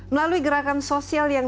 melalui gerakan sosial yang